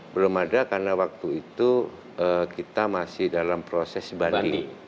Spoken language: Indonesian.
belum ada karena waktu itu kita masih dalam proses banding